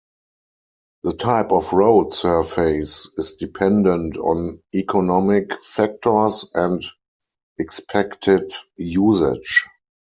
The type of road surface is dependent on economic factors and expected usage.